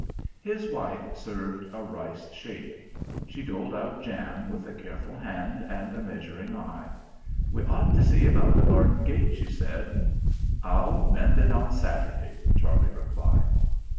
His wife served a rice shape. She doled out jam with a careful hand and a measuring eye. "We ought to see about the garden gate," she said. "I'll mend it on Saturday," Charlie replied.